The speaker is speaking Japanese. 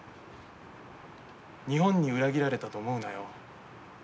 「日本に裏切られたと思うなよ。